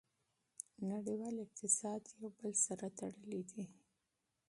نړیوال اقتصاد یو بل سره تړلی دی.